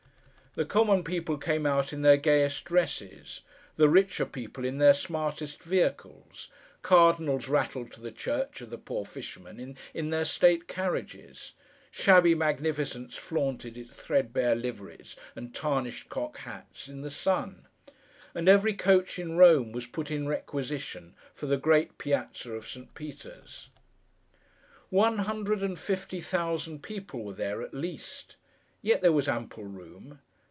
The common people came out in their gayest dresses; the richer people in their smartest vehicles; Cardinals rattled to the church of the Poor Fishermen in their state carriages; shabby magnificence flaunted its thread bare liveries and tarnished cocked hats, in the sun; and every coach in Rome was put in requisition for the Great Piazza of St. Peter's. One hundred and fifty thousand people were there at least! Yet there was ample room.